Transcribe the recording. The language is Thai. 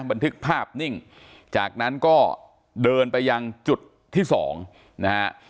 บันทึกภาพนิ่งจากนั้นก็เดินไปยังจุดที่สองนะฮะ